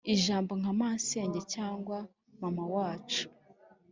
Ijambo nka masenge Cyangwa mama wacu